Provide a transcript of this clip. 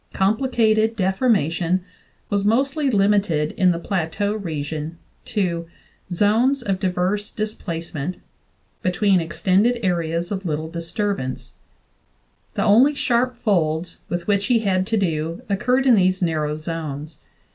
Complicated deformation was mostly limited in the Plateau region to "zones of diverse displacement" between ex tended areas of little disturbance; the only sharp folds with , which he had to do occurred in these narrow zones.